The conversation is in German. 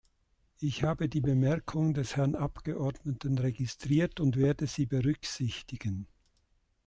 Ich habe die Bemerkungen des Herrn Abgeordneten registriert und werde sie berücksichtigen.